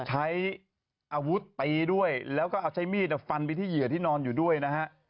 ใช้อาวุธตีด้วยแล้วก็เอาใช้มีดฟันไปที่เหยื่อที่นอนอยู่ด้วยนะฮะ